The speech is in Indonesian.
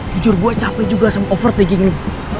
jujur gue capek juga sama overtaking lo